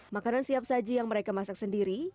makanan siap saji yang mereka masak sendiri